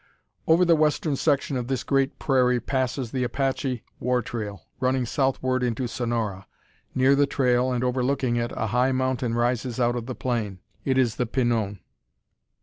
Over the western section of this great prairie passes the Apache war trail, running southward into Sonora. Near the trail, and overlooking it, a high mountain rises out of the plain. It is the Pinon.